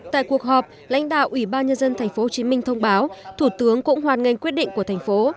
tại cuộc họp lãnh đạo ubnd tp hồ chí minh thông báo thủ tướng cũng hoạt ngành quyết định của thành phố